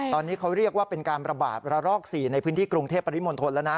ตอนนี้เขาเรียกว่าเป็นการระบาดระลอก๔ในพื้นที่กรุงเทพปริมณฑลแล้วนะ